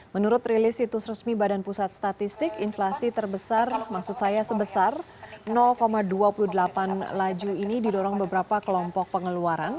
menurut rilis situs resmi badan pusat statistik inflasi terbesar maksud saya sebesar dua puluh delapan laju ini didorong beberapa kelompok pengeluaran